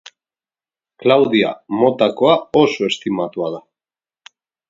Klaudia motakoa oso estimatua da.